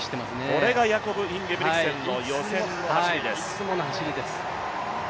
これがヤコブ・インゲブリクセンの予選の走りです。